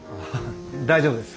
大丈夫です。